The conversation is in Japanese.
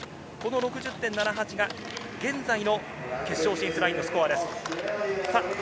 ６０．７８が現在の決勝進出ラインのスコアです。